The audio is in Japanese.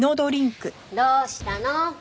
どうしたの？